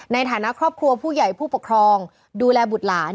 ในฐานะครอบครัวผู้ใหญ่ผู้ปกครองดูแลบุตรหลาน